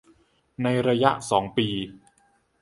ในระยะสองปี